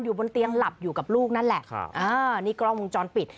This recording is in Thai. อยู่บนเตียงหลับอยู่กับลูกนั่นแหละอันนี้กล้องมุมจรปิด